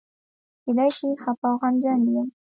کېدای شي خپه او غمجن یم.